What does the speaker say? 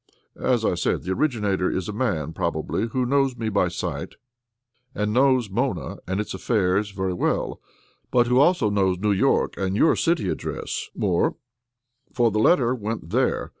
As I said, the originator is a man, probably, who knows me by sight, and knows Mona and its affairs very well, but who also knows New York and your city address, Moore; for the letter went there.